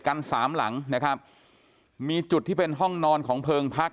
กันสามหลังนะครับมีจุดที่เป็นห้องนอนของเพลิงพัก